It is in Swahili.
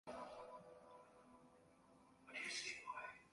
la chungwa Lakini si watu wengi walioamini au kujali elimu hizo